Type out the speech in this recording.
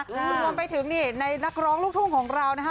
รวมไปถึงนี่ในนักร้องลูกทุ่งของเรานะฮะ